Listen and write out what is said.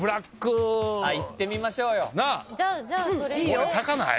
これ高ない？